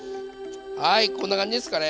はいこんな感じですかね。